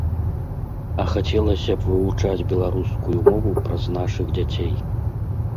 А хацелася б вывучаць беларускую мову праз нашых дзяцей.